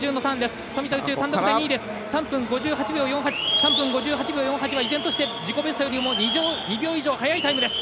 ３分５８秒４８は依然として自己ベストより２秒以上速いタイムです。